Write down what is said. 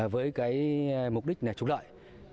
với mục đích trục lợi